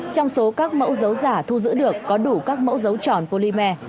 trong số các mẫu dấu giả thu giữ được có đủ các mẫu dấu tròn polymer